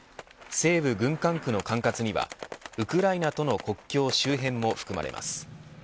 西部軍管区の管轄にはウクライナとの国境周辺も含まれます。